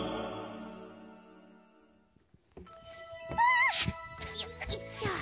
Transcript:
あ！よっこいしょ。